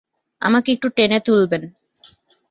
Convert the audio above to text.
আমাকে একটু টেনে তুলবেন।